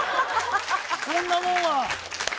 こんなもんは。